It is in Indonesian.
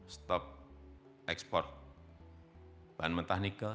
stop ekspor bahan mentah nikel